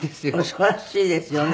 恐ろしいですよね